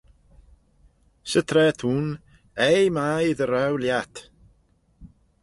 Sy traa t'ayn, aigh mie dy row lhiat!